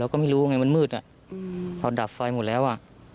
ก็ไม่รู้ไงมันมืดเราดับไฟหมดแล้ว